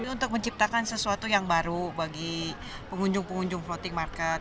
untuk menciptakan sesuatu yang baru bagi pengunjung pengunjung floating market